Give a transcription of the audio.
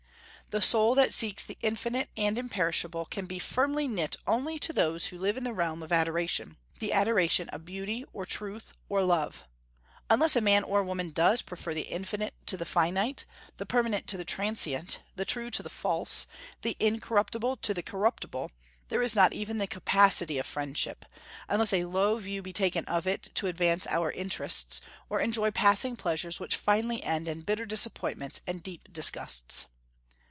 The soul that seeks the infinite and imperishable can be firmly knit only to those who live in the realm of adoration, the adoration of beauty, or truth, or love; and unless a man or woman does prefer the infinite to the finite, the permanent to the transient, the true to the false, the incorruptible to the corruptible there is not even the capacity of friendship, unless a low view be taken of it to advance our interests, or enjoy passing pleasures which finally end in bitter disappointments and deep disgusts.